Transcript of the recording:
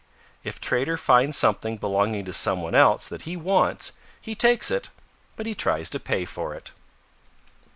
If Trader finds something belonging to some one else that he wants he takes it, but he tries to pay for it.